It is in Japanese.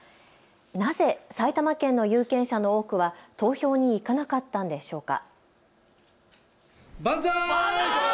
なぜ埼玉県の有権者の多くは投票に行かなかったんでしょうか。